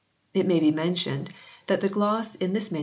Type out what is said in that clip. It may be mentioned that the gloss in this MS.